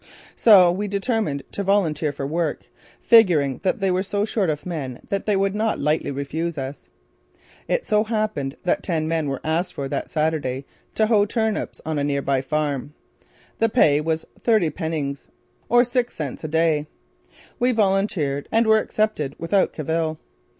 So we determined to volunteer for work, figuring that they were so short of men that they would not lightly refuse us. It so happened that ten men were asked for that Saturday to hoe turnips on a near by farm. The pay was thirty pfennigs or six cents a day. We volunteered and were accepted without cavil.